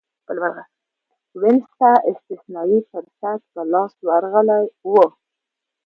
وینز ته استثنايي فرصت په لاس ورغلی و